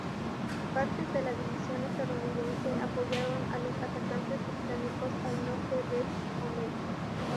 Partes de la división estadounidense apoyaron a los atacantes británicos al norte del Somme.